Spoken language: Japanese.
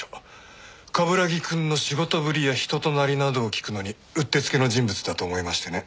冠城くんの仕事ぶりや人となりなどを聞くのに打ってつけの人物だと思いましてね。